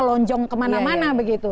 lonjong kemana mana begitu